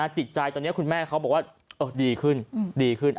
จิตใจตอนนี้คุณแม่เขาบอกว่าดีขึ้นดีขึ้น